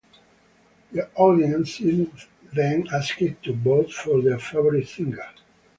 The audience is then asked to vote for their favorite singer.